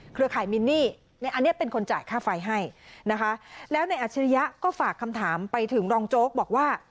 ข่ายมินนี่อันนี้เป็นคนจ่ายค่าไฟให้นะคะแล้วในอัจฉริยะก็ฝากคำถามไปถึงรองโจ๊กบอกว่า